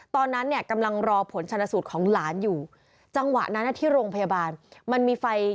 ตอนนั้นเนี่ยกำลังรอผลชนสูตรของหลานอยู่จังหวะนั้นที่โรงพยาบาลมันมีไฟ